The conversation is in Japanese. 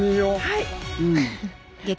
はい！